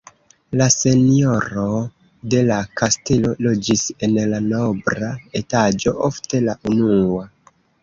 La senjoro de la kastelo loĝis en la nobla etaĝo, ofte la unua.